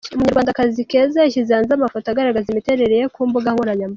Umunyarwandakazi Keza yashyize hanze amafoto agaragaza imiterere ye ku mbuga nkoranyambaga.